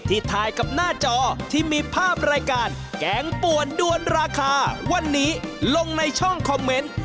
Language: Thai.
ถ่ายกับหน้าจอที่มีภาพรายการแกงป่วนด้วนราคาวันนี้ลงในช่องคอมเมนต์